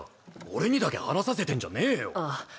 俺にだけ話させてんじゃねえよ